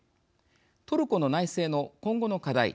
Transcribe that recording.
トルコの内政の今後の課題。